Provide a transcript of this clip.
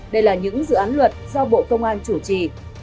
đây là những dự án luật do bộ công an chủ trì